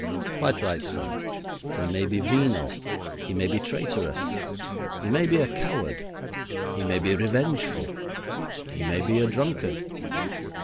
'Quite right, sir. He may be venal, he may be traitorous, he may be a coward, he may be revengeful, he may be a drunkard.